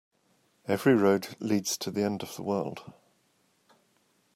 Every road leads to the end of the world.